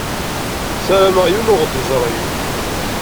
Sarameɣ yiwen ur ɣ-d-iẓṛi.